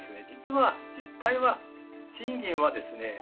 実は実態は賃金はですね